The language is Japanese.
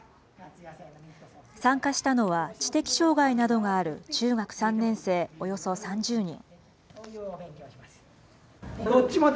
参加したのは知的障害などがある中学３年生およそ３０人。